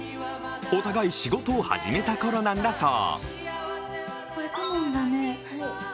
お互い、仕事を始めたころなんだそう。